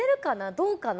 どうかな？